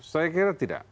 saya kira tidak